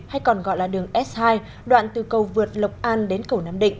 hay còn gọi là đường s hai đoạn từ cầu vượt lộc an đến cầu nam định